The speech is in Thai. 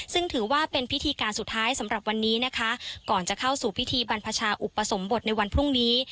ซึ่งถือว่าเป็นพิธีการสุดท้ายสำหรับวันนี้นะคะก่อนจะเข้าสู่พิธีบรรพชาอุปสมบทในวันพรุ่งนี้